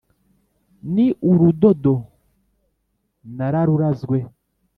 ni urudodo nararurazwe